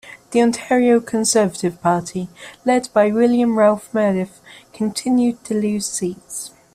The Ontario Conservative Party, led by William Ralph Meredith, continued to lose seats.